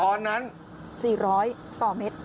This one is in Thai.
ตอนนั้น๔๐๐ต่อเมตร